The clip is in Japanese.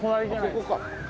ここか。